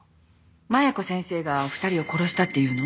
麻弥子先生が２人を殺したっていうの？